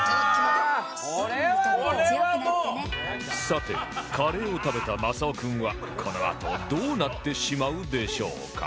さてカレーを食べたまさお君はこのあとどうなってしまうでしょうか？